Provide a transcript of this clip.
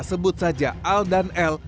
sebut saja al dan l